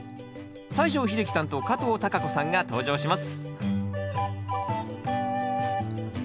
西城秀樹さんと加藤貴子さんが登場します